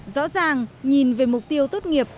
rõ ràng nhìn về mục tiêu tốt nghiệp